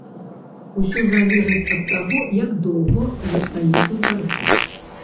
Усё залежыць ад таго, як доўга вы стаіце ў чарзе.